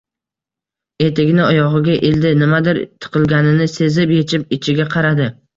Etigini oyogʻiga ildi, nimadir tiqilganini sezib, yechib ichiga qaradi